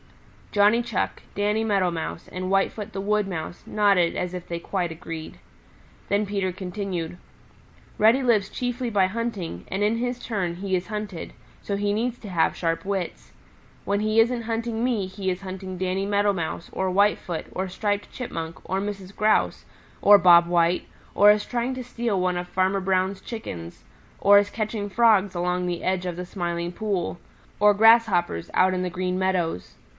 Johnny Chuck, Danny Meadow Mouse and Whitefoot the Wood Mouse nodded as if they quite agreed. Then Peter continued, "Reddy lives chiefly by hunting, and in his turn he is hunted, so he needs to have sharp wits. When he isn't hunting me he is hunting Danny Meadow Mouse or Whitefoot or Striped Chipmunk or Mrs. Grouse, or Bob White, or is trying to steal one of Farmer Brown's Chickens, or is catching Frogs along the edge of the Smiling Pool, or grasshoppers out in the Green Meadows.